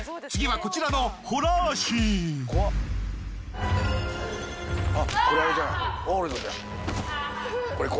次はこちらのホラーシーン。